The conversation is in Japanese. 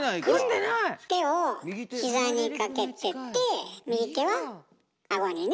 手を膝にかけてて右手は顎にね。